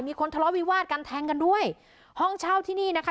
ทะเลาะวิวาดกันแทงกันด้วยห้องเช่าที่นี่นะคะ